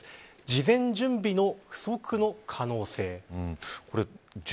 事前準備の不足の可能性。